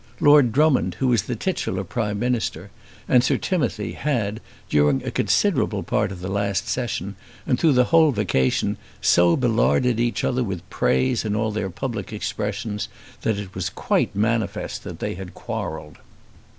Lord Drummond, who was the titular Prime Minister, and Sir Timothy, had, during a considerable part of the last Session, and through the whole vacation, so belarded each other with praise in all their public expressions that it was quite manifest that they had quarrelled.